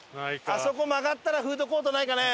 あそこ曲がったらフードコートないかね？